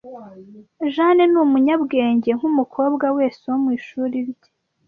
Jane ni umunyabwenge nkumukobwa wese wo mu ishuri rye.